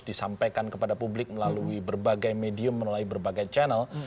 disampaikan kepada publik melalui berbagai medium menuai berbagai channel